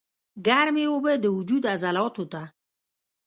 ګرمې اوبۀ د وجود عضلاتو ته